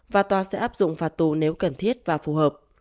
và tòa sẽ áp dụng phạt tù nếu cần thiết và phù hợp